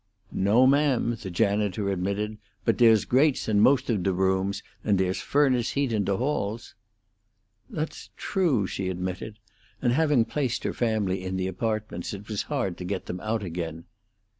"No, ma'am," the janitor admitted; "but dere's grates in most o' de rooms, and dere's furnace heat in de halls." "That's true," she admitted, and, having placed her family in the apartments, it was hard to get them out again.